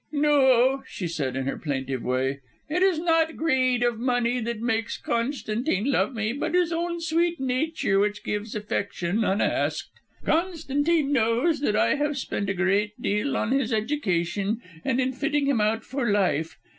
"No," she said in her plaintive way, "it is not greed of money that makes Constantine love me, but his own sweet nature which gives affection, unasked. Constantine knows that I have spent a great deal on his education and in fitting him out in life.